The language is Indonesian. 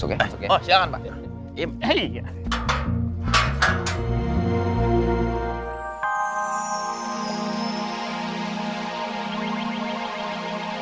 oh kalau bisa masuk ya bu